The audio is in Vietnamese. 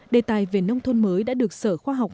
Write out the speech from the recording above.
đề tài về nông thôn mới đã được sở khoa học